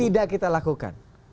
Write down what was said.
tidak kita lakukan